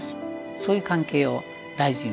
そういう関係を大事に。